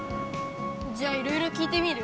じゃあいろいろきいてみる？